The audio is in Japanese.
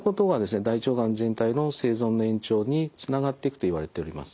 大腸がん全体の生存の延長につながっていくといわれております。